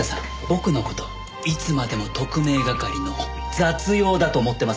僕の事いつまでも特命係の雑用だと思っていませんか？